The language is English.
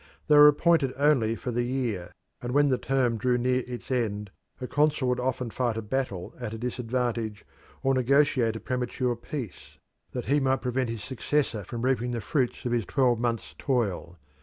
They were appointed only for the year, and when the term drew near its end a consul would often fight a battle at a disadvantage, or negotiate a premature peace, that he might prevent his successor from reaping the fruits of his twelve month's toil.